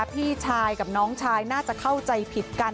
พี่ชายกับน้องชายน่าจะเข้าใจผิดกัน